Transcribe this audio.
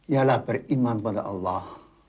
yalah beriman pada allah